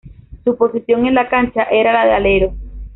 Su posición en la cancha era la de alero.